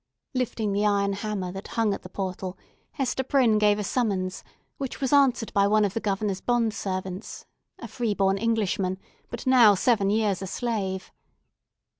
Lifting the iron hammer that hung at the portal, Hester Prynne gave a summons, which was answered by one of the Governor's bond servants—a free born Englishman, but now a seven years' slave.